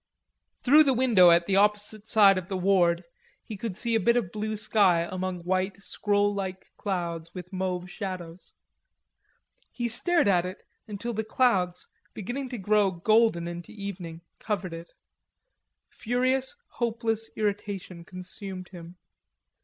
Through the window at the opposite side of the ward he could see a bit of blue sky among white scroll like clouds, with mauve shadows. He stared at it until the clouds, beginning to grow golden into evening, covered it. Furious, hopeless irritation consumed him.